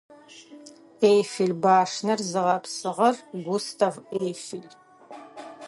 Эйфел башнэр зыгъэпсыгъэр Густав Эйфел.